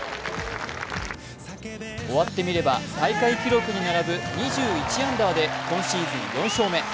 終わってみれば、大会記録に並ぶ２１アンダーで今シーズン４勝目。